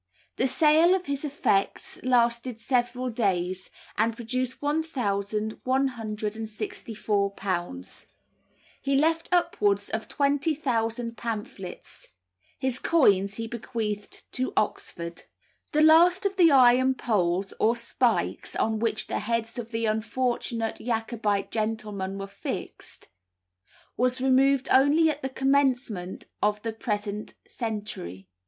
The sale of his effects lasted several days, and produced £1164. He left upwards of 20,000 pamphlets; his coins he bequeathed to Oxford. The last of the iron poles or spikes on which the heads of the unfortunate Jacobite gentlemen were fixed, was removed only at the commencement of the present century.